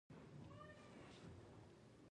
زما کمپيوټر زوړ دئ.